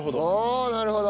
ああなるほど！